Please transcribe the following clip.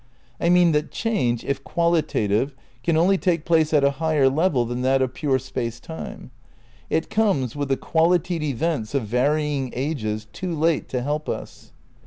I mean that change, if qualitative, can only take place at a higher level than that of pure Space Time; it comes, with the qualitied events of varying ages, too late to help us.